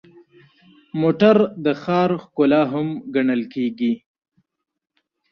موټر د ښار ښکلا هم ګڼل کېږي.